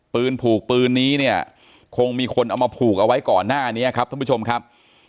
ปืนผูกปืนนี้เนี่ยคงมีคนเอามาผูกเอาไว้ก่อนหน้านี้ครับท่านผู้ชมครับ